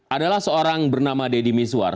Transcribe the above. adalah seorang bernama deddy miswar